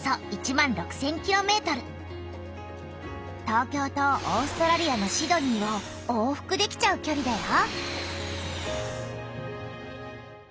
東京とオーストラリアのシドニーを往復できちゃうきょりだよ。